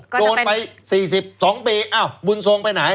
โดนไป๔๒ปีอ้าวบุญทรงไปไหน